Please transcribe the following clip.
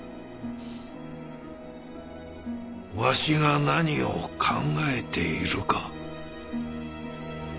わしが何を考えているか。